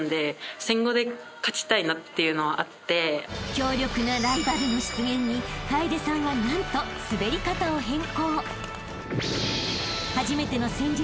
［強力なライバルの出現に楓さんは何と滑り方を変更］